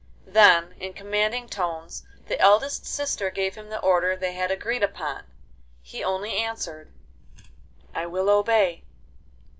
Then, in commanding tones, the eldest sister gave him the order they had agreed upon. He only answered: 'I will obey.